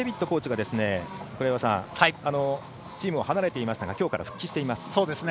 コーチがチームを離れていましたがきょうから復帰しています。